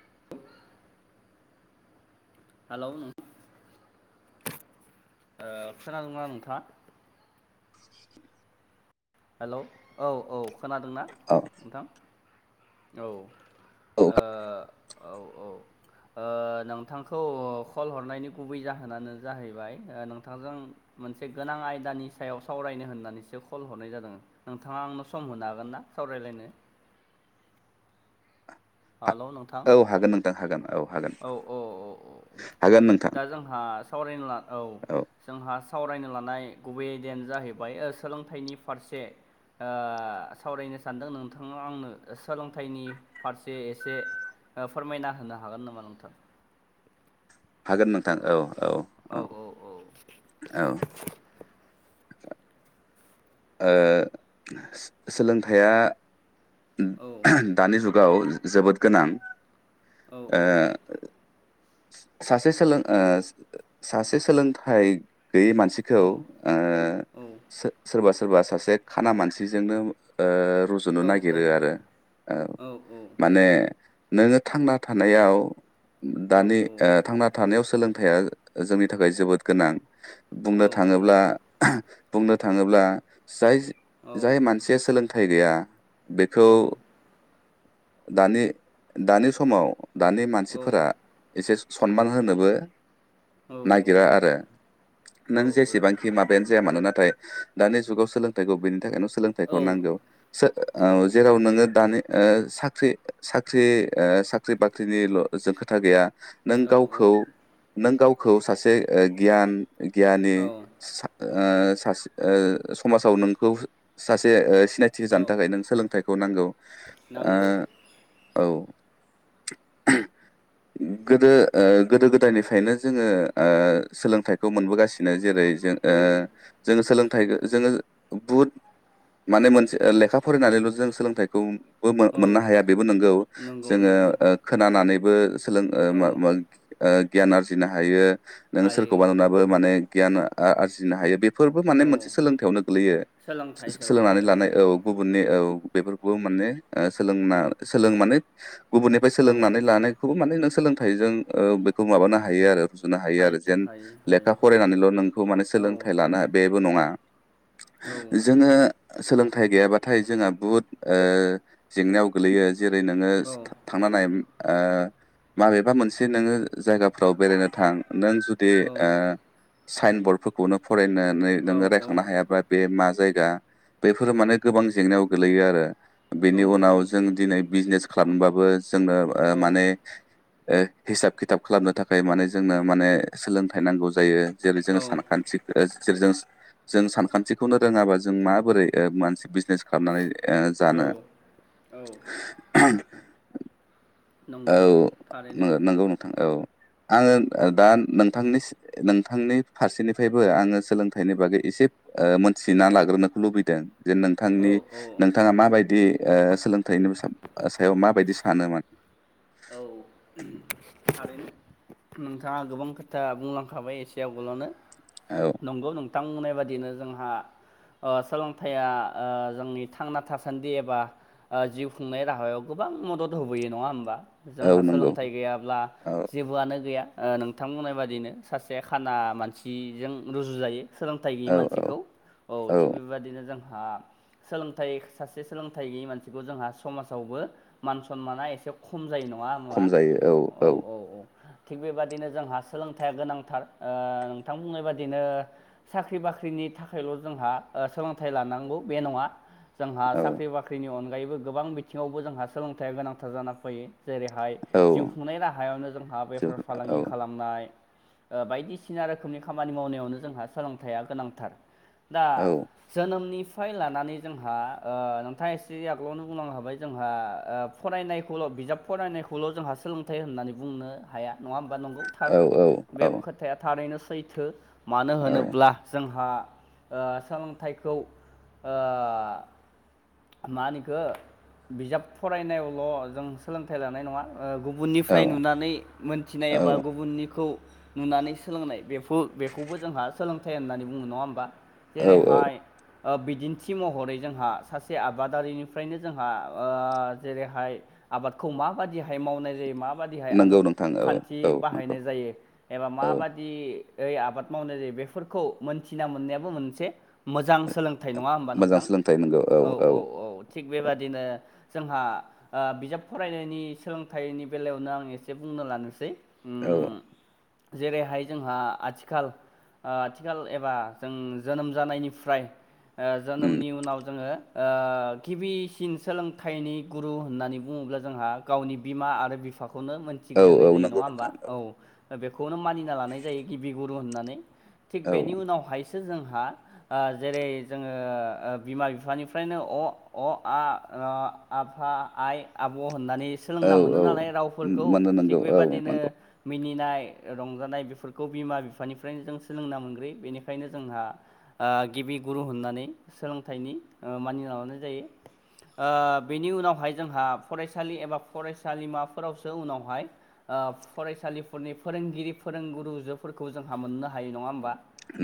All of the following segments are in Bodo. [unintelligible] हेलौ ओ खोनादों ना नोंथाङा? [inaudible] हेल' औ औ खोनादोंना औ नोंथां औ ओ औ औ औ ओ नोंथांखौ कल हरनायनि गुबै जाहोनानो जाहैबाय नोंथांजों मोनसे गोनां आयदानि सायाव सावरायनो होननानैसो कल हरनाय जादों। नोंथाङा आंना सम होनो हागोन ना सावरायलायनो हेलौ नोंथां औ हागोन नोंथां हागोन औ हागोन औ औ औ हागोन। नोंथां दा जोंहा सावरायनो ला औ जोंहा सावरायनो लानाय गुबै आयदायानो जाहैबाय ओ सोलोंथाइनि फारसे ओ सावरायनो सानदों नोंथाङा आंनो सोलोंथाइनि फारसे एसे ओ फोरमायना होनो हागोन नामा नोंथां हागोन नोंथां औ औ औ औ औ औ ओ सोलोंथाइया औ दानि जुग गाव जोबोद गोनां औ ओ सासे सोलों ओ सासे सोलोंथाइ गैयै औ मानसिखौ ओ औ सो- सोरबा सोरबा सासे खाना मानसिजोंनो ओ रुजुनो औ नायगिर नागिरो आरो औ औ माने नोङो थांना थानायाव दानि ओ थांना थानायाव सोलोंथाया जोंनि थाखाय जोबोद गोनां बुंनो औ थाङोब्ला बुंनो थाङोब्ला जाय जाय मानसिया सोलोंथाइ गैया बेखौ दानि दानि समाव दानि मानसिफोरा एसे सनमान होनोबो नागिरा आरो नों जेसेबांखि माबायानो जाया मानोना नाथाय दानि जुगाव सोलोंथाइखौ बेनि थाखायनो सोलोंथाइखौ नांगौ औ जेराव नोङो दानि ओ साख्रि साख्रि ओ साख्रि बाख्रिनिल' जों खोथा गैया नों गावखौ नों गावखौ सासे ओ गियान गियानि औ सा ओ सासे समाजाव नोंखौ सासे सिनायथि औ होजानो थाखाय नों सोलोंथाइखौ नांगौ नांगौ ओ औ [inaudible] गोदो ओ गोदो गोदायनिफ्रायनो जोङो सोलोंथाइखौ मोनबोगासिनो जेरै जों ओ औ जों सोलों थाइ जोङो बुहुद माने मोनसे लेखा फरायनानैल' जों सोलोंथाइखौ औ मोननो हाया बेबो नंगौ नंगौ जोङो नंगौ खोनानानैबो सोलों ओ औ मो मो ओ गियान आरजिनो हायो नों हायो सोरखौबा नुनाबो माने गियान आ आरजिनो हायो बेफोरबो माने औ मोनसे सोलोंथायावनो गोग्लैयो सोलोंथाइ सोलोंथाइ सोलोंनानै लानाय औ औ गुबुननि बेफोरखौ माने सोलोंना सोलों माने गुबुननिफ्राय औ सोलोंनानै लानायखौबो माने नों सोलोंथाइजों ओ बेखौ माबानो हायो आरो रुजुनो हायो आरो जेन हायो लेखा हायो हायो फरायनानैल' नोंखौ माने औ सोलोंथाइ लानो बेबो नङा जोङो सोलोंथाइ गैयाबा नाथाय जोंहा बुहुद ओ जेंनायाव गोगलैयो जेरै नोङो औ थांनानै ओ माबेबा मोनसे नोङो जायगाफ्राव बेरायनो थां नों जुदि ओ साइन बरर्ड फोरफोरखौनो फरायनानै औ नोङो रायखांनो हायाब्ला बे मा जायगा बेफोरो माने गोबां जेंनायाव गोलैयो आरो औ बेनि उनाव जों दिनै बिजनेस खालामबाबो जोंनो ओ औ माने ओ हिसाब खिथाब खालामनो थाखाय माने जोंनो माने सोलोंथाइ नांगौ जायो जेरै जोङो सानखान्थि जेरै जों जों सानखान्थिखौनो रोङाबा जों माबोरै मानसे बिजनेस खालामनानै जानो औ औ ओ नंगौ औ थारैनो नो नंगौ नोंथां औ आङो दा नोंथांनि नोंथांनि फारसेनिफ्रायबो आङो सोलोंथाइनि बागै एसे मोनथिना लाग्रोनो लुबैदों जे औ नोंथांनि औ नोंथाङा माबायदि ओ सोलोंथाइनि सायाव माबायदि सानो माने औ थारैनो नोंथाङा गोबां खोथा बुंलांखाबाय एसे आवगोलावनो औ नंगौ नोंथां नोंथां बुंनाय बादिनो जोंहा ओ सोलोंथाया ओ जोंनि थांना थासान्दि एबा जिउ खुंनाय राहायाव गोबां गोबां मदद होबोयो नङा होमबा जोंहा औ नंगौ सोलोंथाइ गैयाब्ला औ जेबोआनो गैया। ओ नोंथां बुंनाय बादिनो सासे खाना मानसिजों रुजु जायो सोलोंथाइ गैयि औ औ मानसिखौ औ थिग बेबायदिनो जों सोलोंथाइ सासे सोलोंथाइ गैयै मानसिखौ जोंहा समाजावबो मान सनमाना एसे खम जायो नङा होनबा औ औ औ थिग बेबाददिनो जोंहा सोलोंथाया गोनांथार ओ नोंथां बुंनाय बादिनो साख्रि बाख्रिनि नि थाखायल' जोंहा सोलोंथाइ लानांगौ बे नङा जोंहा औ साख्रि बाख्रिनि अनगायैबो गोबां बिथिङावबो जोंहा सोलोंथाइया गोनांथार जाना फैयो। जेरैहाय जिउ खुंनाय राहायावनो जोंहा जौ बेफार औ फालांगि खालामनाय बायदिसिना रोखोमनि खामानि मावनायावनो जोंहा सोलोंथाइया गोनांथार। दा औ जोनोमनि फाय लानानै जोंहा नोंथाङा एसे आगोलावनो बुंलांखाबाय जोंहा फरायनायखौल' बिजाब फरायनायखौल' जोंहा सोलोंथाइ होननानै बुंनो हाया। नङा होमबा नंगौ थार औ बे खोथाया थारैनो सैथो। मानो होनोब्ला जोंहा। ओ सोलोंथाइखौ मा होनो इखो बिजाब फरायनायावल' जों सोलोंथाइ लानाय नङा औ गुबुननिफ्राय नुनानै मोनथिनाय एबा औ गुबुननिखौ नुनानै सोलोंनाय बे बेखौबो जोंहा सोलोंथाइ होननानै बुङो नङा होमबा? औ जेरैहाय बिदिन्थि महरै जोंहा सासे आबादारिनिफ्रायनो जोंहा जेरैहाय आबादखौ माबादिहाय मावनाय जायो मा? माबादिहाय नंगौ आदब नोंथां औ खान्थि औ नंगौ बाहायनाय जायो एबा औ माबादि। ओइ आबाद मावनाय जायो बेफोरखौ मोनथिना मोननायाबो मोनसे। मोजां सोलोंथाइ नङा होनबा मोजां नोंथां सोलोंथाइ नांगौ औ औ औ थिग बेबादिनो। जोंहा ओ बिजाब फरायनायनि सोलोंथाइनि बेलायावनो आं एसे बुंनो लानोसै। उम औ। जेरैहाय जोंहा आथिखाल। आथिखाल एबा जों जोनोम जानायनिफ्राय ओ उम जोनोमनि उनाव जोङो। ओ गिबिसिन सोलोंथाइनि गुरु होननानै बुङोब्ला जोङो। जोंहा गावनि बिमा आरो बिफाखौनो औ औ मोनथिग्रोनाय जायो नंगौ नङा होमबा नोंथां औ। बेखौनो मानिना लानाय जायो गिबि गुरु होननानै थिग बेनि औ उनावहायसो। जोंहा ओ जेरै जोङो बिमा बिफानिफ्रायनो अ अ आ आफा-आइ आब' होननानै सोलोंना औ मोनो औ नालाय रावफोरखौ मोननो थिग नांगौ औ बेबादिनो नंगौ मिनिनाय रंजानाय बेफोरखौ बिमा बिफानिफ्रायनो जों सोलोंना मोनग्रो बेनिखायनो जोंहा। गिबि गुरु होननानै सोलोंथाइनि मानि लानाय जायो। बेनि उनावहाय जोंहा। फरायसालि एबा फरायसालिमाफोरावसो उनावहाय फरायसालिफोरनि फोरोंगिरिफोर। फोरोंगुरुजोफोरखौ जोंहा मोननो हायो नङा होमबा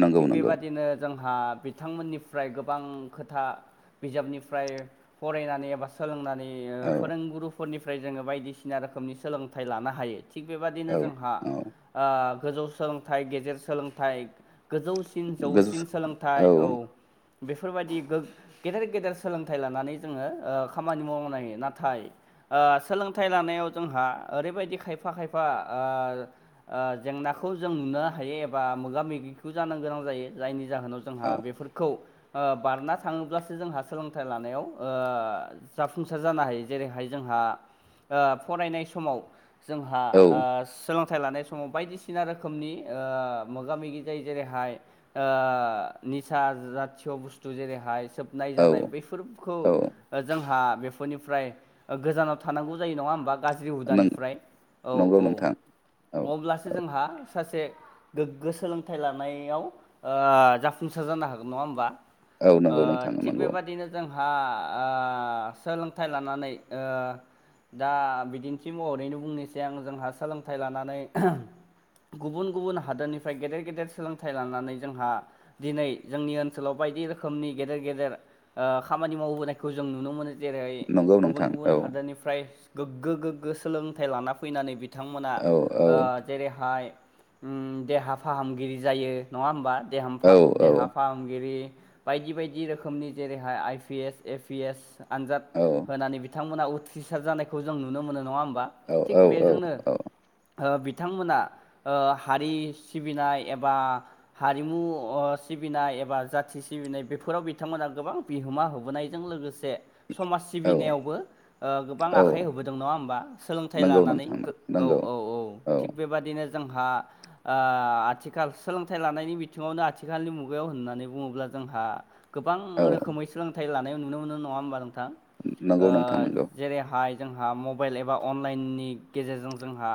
नंगौ थिग नंगौ बेबादिनो जोंहा। बिथांमोननिफ्राय गोबां खोथा बिजाबनिफ्राय फरायनानै एबा सोलोंनानै। औ फोरोंगुरुफोरनिफ्राय जोङो बायदिसिना रोखोमनि सोलोंथाइ लानो हायो। थिग बेबायादिनो औ जोंहा औ गोजौ सोलोंथाइ गेजेर सोलोंथाइ। गोजौसिन गोजौ जौसिन सोलोंथाइ औ। बेफोरबायदि गेदेर गेदेर सोलोंथाइ लानानै जोङो खामानि माव नायो नाथाय। सोलोंथाइ लानायाव जोंहा ओरैबायदि खायफा खायफा जेंना खौ जों नुनो हायो एबा मोगा मोगिखौ जानो गोनां जायो जायनि जाहोनाव जोंहा औ बेफोरखौ। बारना थाङोब्लासो जोंहा सोलोंथाइ लानायाव जाफुंसार जानो हायो। जेरैहाय जोंहा फरायनाय समाव जोंहा सोलों। गथाय लानाय समाव बायदिसिना रोखोमनि मोगा मोगि जायो जेरैहाय निसाा जतय बुस्थु जेरैहाइ सोबनाय औ जानाय बैफोरखौ औ जोंहा बेफोरनिफ्राय गोजानाव थानांगौ जायो नङा होमबा। गाज्रि नों हुदानिफ्राय औ नंगौ औ नोंथां औ अब्लासो जोंहा सासे गोग्गो सोलोंथाइ लानायाव जाफुंसार जानो हागोन नङा होमबा? औ नंगौ नोंथां थिग नंगौ बेबादिनो जोंहा सोलोंथाइ लानानै। ओ दा बिदिन्थि महरैनो बुंनोसै आं जोंहा सोलोंथाइ लानानै गुबुन गुबुन हादोरनिफ्राय गेदेर गेदेर सोलोंथाइ लानानै जोंहा दिनै जोंनि ओनसोलाव बाय बायदि रोखोमनि गेदेर गेदेर खामानि मावबोनायखौ जों नुनो मोनो जेरै नंगौ गुबुन नोंथां गुबुन औ हादोरनिफ्राय गोग्गो गोग्गो सोलोंथाइ लाना फैनानै बिथांमोना औ जेरैहाय देहा फाहामगिरि जायो नङा होमबा औ देहामफा देहा औ फाहामगिरि बायदि बायदि रोखोमनि जेरैहाय I P S A P S आनजाद औ होनानै बिथांमोना उथ्रिसार जानायखौ जों नुनो मोनो नङा होमबा औ औ थिग औ बेजोंनो औ बिथांमोना ओ हारि सिबिनाय एबा हारिमु अ सिबिनाय एबा जाथि सिबिनाय बेफोराव बिथांमोना गोबां बिहोमा होबोनायजों लोगोसे समाज औ सिबिनायावबो गोबां औ आखाइ होबोदों नङा होमबा सोलोंथाइ नंगौ लानानै नोंथां गो औ नंगौ औ औ थिग बेबादिनो जों आथिखाल आ सोलोंथाइ लानायनि बिथिङावनो आथिखालनि मुगायाव होननानै बुङोब्ला जोंहा गोबां औ रोखोमै सोलोंथाइ लानाय नुनो मोनो नङा होमबा नोंथां नंगौ नोंथां नंगौ जेरैहाय जोंहा मबाइल एबा अनलाइननि गेजेरजों जोंहा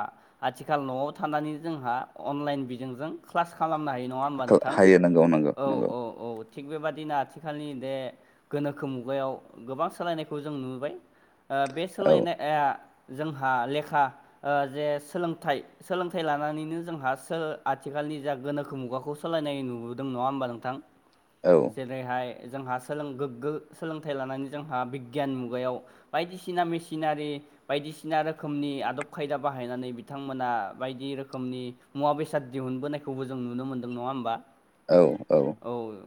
आथिखाल न'आव थानानै जोंहा अनलाइन बिजोंजों क्लास खालामनो हायो नङा होमबा नोंथां हायो नंगौ नंगौ औ नंगौ औ औ थिग बेबादिनो आथिखालनि दे गोनोखो मुगायाव गोबां सोलायनायखौ जों नुबाय बे औ सोलायनाया जोंहा लेखा जे सोलोंथाइ सोलोंथाइ लानानैनो जोंहा सो आथिखाल नि जा गोनोखो मुगाखौ सालायनाय नुबोदों नङा होमबा नोंथां औ जेरैहाय जोंहा सोलों गोग्गो सोलोंथाइ लानानै जोंहा बि गियान मुगायाव बायदिसिना मेसिनारि बायदिसिना रोखोमनि आदब खायदा बाहायनानै बिथांमोन बिथांमोना बायदि रोखोमनि मुवा बेसाद दिहुनबोनायखौबो जों नुनो मोनदों नङा होमबा औ औ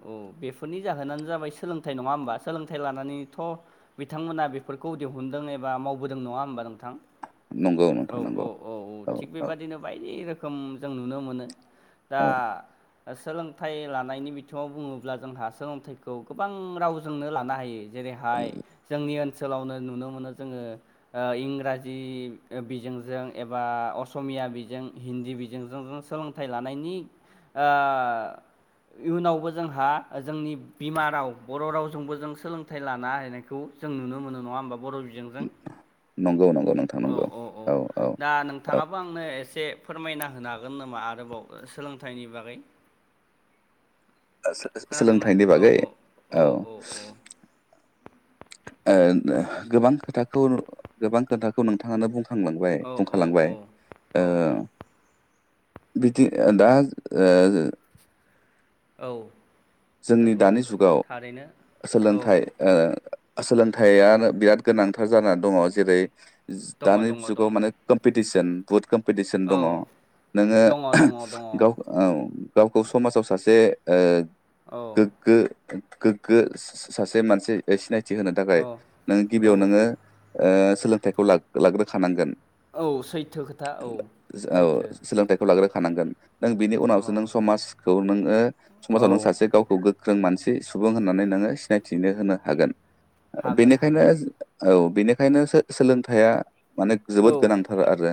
औ बेफोरनि जाहोनानो जाबाय सोलोंथाइ नङा होमबा सोलोंथाइ लानानैथ बिथांमोना बेफोरखौ दिहुुनदों एबा मावबोदों नङा होनोमबा नों थां नंगौ औ नोंथां औ नंगौ औ औ थिग बेबादिनो बायदि रोखोम जों नुनो मोनो दा औ सोलोंथाइ लानायनि बिथिङाव बुङोब्ला जोंहा सोलोंथाइखौ गोबां रावजोंनो लानो हायो। जेरैहाय जोंनि ओनसोलावनो नुनो मोनो जोंङो इंराजि बिजोंजों एबा असमिया बिजों हिन्दी बिजोंजों जों सोलोंथाइ लानायनि ओ इयुनावबो जोंहा जोंनि बिमा राव बर' रावजोंबो जों सोलोंथाइ लानो हानाय खौ जों नुनो मोनो नंङा होमबा बर' बिजोंजों नंगौ नंगौ नोंथां औ नंगौ औ औ दा नोंथांङाबो आंनो एसे फोरमायना हो होनो हागोन नामा आरोबाव सोलोंथाइनि बागै सोलोंथाइनि बागै औ ओ गोबां खोथाखौ गोबां खोथाखौ नोंथांङानो बुं खांलांबाय औ बुंखालांबाय औ ओ बिदि दा ओ औ जोंनि नंगौ दानि जुगाव थारैनो औ सोलोंथाइ ओ सोलोंथाइआ बिराद गोनांथार जानानै दंङो जेरै दङ दानि दङ दङ जुगाव माने कम्पि टिसन बहुद कम्पिटिसन औ दङ नोंङो दङ दङ दङ गाव औ गावखौ समाजाव सासे औ गोगो गोगो सासे मानसि सिनायथि होनो थाखाय औ नोंङो औ गिबियाव नोंङो ओ सोलोंथाइखौ लाग्रोखानांगोन औ सैथो खोथा औ सैथो सोलोंथाइखौ लाग्रो नांगोन बिनि औ उनावावासे नोङो समाजखौ नोङो औ समाजाव नों सासे गोख्रों मानसि सुबुं होननानै नोंङो सिनायथिनो होनो हागोन हागोन बेनिखायनो हागोन औ बेनिखायनो सोलोंथाया माने औ जोबोद गोनांथार आरो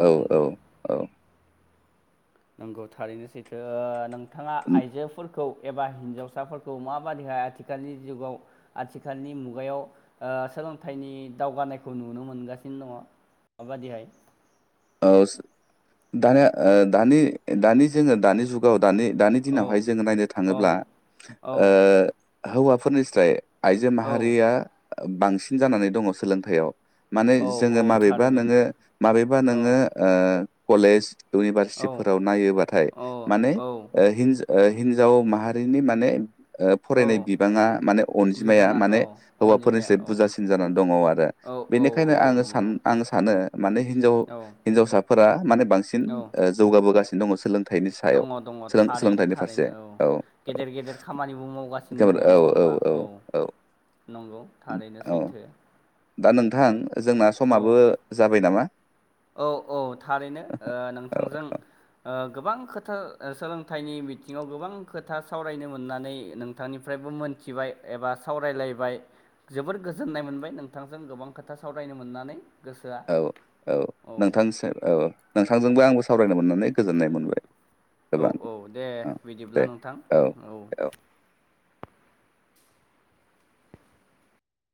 औ औ औ। नंगौ थारैनो सैथो नोंथांङा आइजोफोरखौ खौ एबा हिन्जावसाफोरखौ माबादैहाय आथिखालनि जुगाव आथिखालनि मुगायाव सोलोंथाइनि दावगानायखौ नुनो मोनगासिनो दंङो माबादिहाय औ दानिया दानि दानि जोंङो दानि जुगाव दानि दानि औ दिनावहाय जोंङो नायनो औ थांङोब्ला औ हौवाफोरनिफ्राय आइजो औ माहारिया बांसिन जानानै दङ सोलोंथायाव माने औ औ जोंङो माबेबा थारैनो नोंङो माबेबा औ नोङो ओ कलेज औ इउनिभारसिटिफोराव नायोबाथाय औ माने औ हिनजा हिनजाव माहारिनि माने औ फरायनाय बिबांङा माने अनजिमाया बिबाना माने औ हौवाफोरनिस अनजिमाया औ बुरजासिन जानानै दंङो आरो औ औ बेनिखायनो औ आंङो सान नंगौ आं सानो माने हिनजाव औ हिनजावसाफोरा माने बांसिन जौगाबोगासिनो दंङो सोलों दंङो दंङो थारैनो सोलोंथाइनि फारसे थारैनो औ औ गेदेर गेदेर खामानिबो मावगासिनो दंङ नङा होमबा? औ नंगौ थारैनो औ सैथो। दा नोंथां जोंना औ समाबो जाबाय नामा? औ औ थारैनो औ नोंथांजों गोबां खोथा सोलोंथाइनि बिथिङाव गोबां खोथा सावरायनो मोननानै नोंथांनिफ्राय मोनथिबाय एबा सावरायलायबाय जोबोर गोजोननाय मोनबाय नोंथांजों गोबां खोथा सावरायनो मोननानै गोसोआ औ नोंथां नोंथांजोंबो आंबो सावरायनो मोननानै गोजोननाय मोनबाय औ गोबां औ दे औ दे बिदिब्ला नोंथां औ।